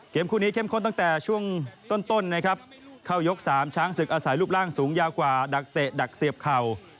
คู่นี้เข้มข้นตั้งแต่ช่วงต้นนะครับเข้ายก๓ช้างศึกอาศัยรูปร่างสูงยาวกว่าดักเตะดักเสียบเข่า